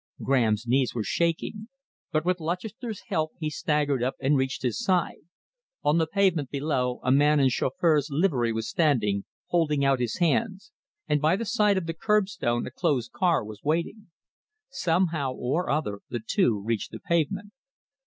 Graham's knees were shaking, but with Lutchester's help he staggered up and reached his side. On the pavement below a man in chauffeur's livery was standing, holding out his hands, and by the side of the curbstone a closed car was waiting. Somehow or other the two reached the pavement.